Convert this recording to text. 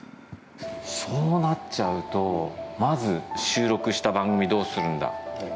・そうなっちゃうとまず収録した番組どうするんだ。